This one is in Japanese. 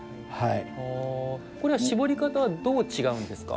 これは絞り方はどう違うんですか。